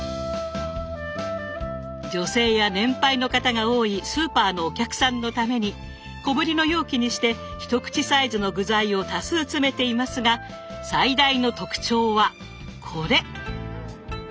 女性や年配の方が多いスーパーのお客さんのために小ぶりの容器にして一口サイズの具材を多数詰めていますが最大の特徴はこれ！